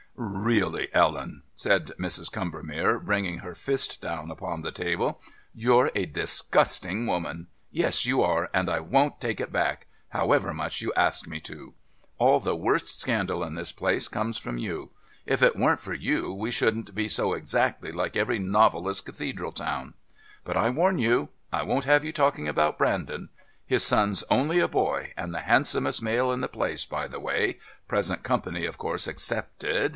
"Really, Ellen," said Mrs. Combermere, bringing her fist down upon the table, "you're a disgusting woman. Yes, you are, and I won't take it back, however much you ask me to. All the worst scandal in this place comes from you. If it weren't for you we shouldn't be so exactly like every novelist's Cathedral town. But I warn you, I won't have you talking about Brandon. His son's only a boy, and the handsomest male in the place by the way present company, of course, excepted.